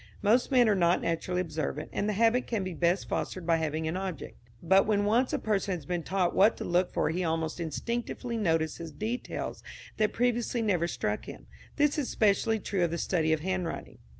Most men are not naturally observant, and the habit can be best fostered by having an object; but when once a person has been taught what to look for he almost instinctively notices details that previously never struck him. This is specially true of the study of handwriting.